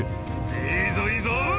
いいぞ、いいぞ！